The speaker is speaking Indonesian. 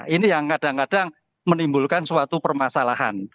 ini yang kadang kadang menimbulkan suatu permasalahan